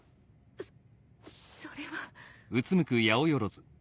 そそれは。